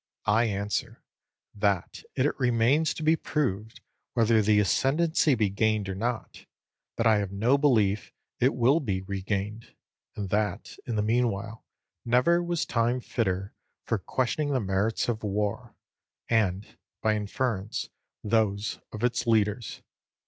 I answer, that it remains to be proved whether the ascendancy be gained or not; that I have no belief it will be regained; and that, in the meanwhile, never was time fitter for questioning the merits of war, and, by inference, those of its leaders.